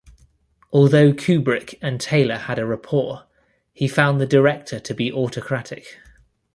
Although Kubrick and Taylor had a rapport, he found the director to be autocratic.